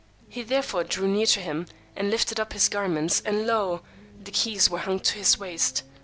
He therefore drew near to him, and lifted up his garments, and lo, the keys were hung to his waist.